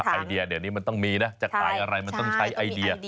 ไอเดียเดี๋ยวนี้มันต้องมีนะจะขายอะไรมันต้องใช้ไอเดีย